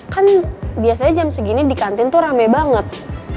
kan biasanya jam segini di kantin tuh rame banget